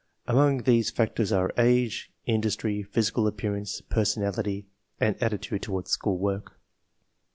Among these factors are age, industry, physical appearance, personality, and atti tude toward school work.